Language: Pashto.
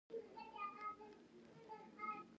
لمونځ ولې د دین ستون دی؟